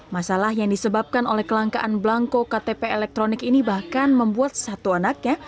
masalah yang disebabkan oleh kelangkaan belangko ktp elektronik ini bahkan membuat satu anaknya